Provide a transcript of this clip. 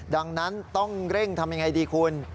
ดังนั้นต้องเร่งทำยังไงดีคุณ